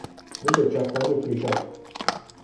bibe çavkaniyek hêja